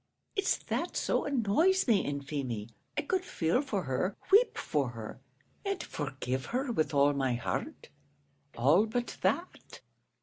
it's that so annoys me in Feemy; I could feel for her weep for her and forgive her with all my heart all but that."